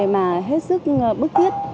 mà hết sức bức thiết